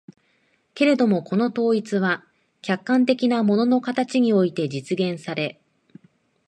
けれどもこの統一は客観的な物の形において実現され、